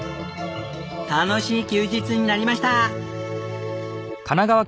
楽しい休日になりました。